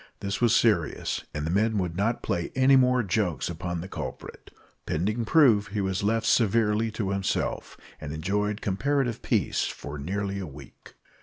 This was serious, and the men would not play any more jokes upon the culprit. Pending proof, he was left severely to himself, and enjoyed comparative peace for nearly a week.